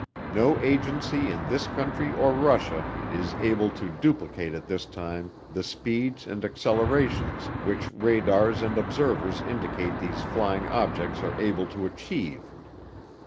. No agency in this country or Russia is able to duplicate at this time the speeds and accelerations which radars and observers indicate these flying objects are able to achieve.